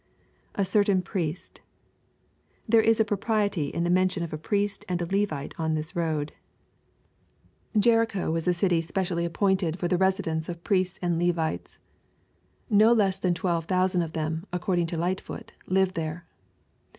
[A certain Priest.] There is a propriety in the mention of a Pnest and a Levlte on this roacL Jericho was a dty specially ) tUKE^ CHAP» X^ 881 appointed for the residence of Priests and Levikes. No less than 12,000 of them, according to Lightfoot, lived there.